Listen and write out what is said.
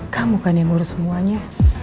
kamu kan yang ngurus semuanya